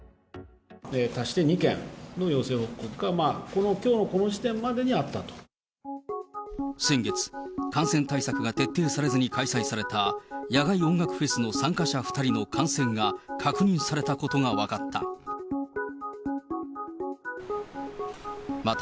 足して２件の陽性報告が、先月、感染対策が徹底されずに開催された、野外音楽フェスの参加者２人の感染が確認されたことが分かった。